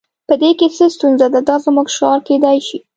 په دې کې څه ستونزه ده دا زموږ شعار کیدای شي